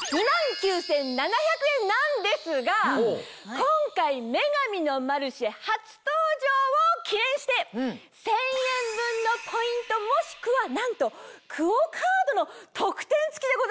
なんですが今回『女神のマルシェ』初登場を記念して１０００円分のポイントもしくはなんとＱＵＯカードの特典付きでございます。